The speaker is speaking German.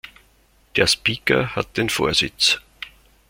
Der Speaker hat den Vorsitz.